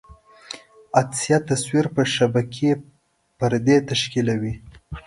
عدسیه تصویر پر شبکیې پردې تشکیولوي.